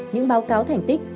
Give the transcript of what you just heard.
những báo cáo thành tích